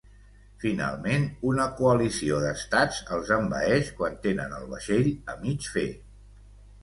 Finalment, una coalició d'Estats els envaeix quan tenen el vaixell a mig fer.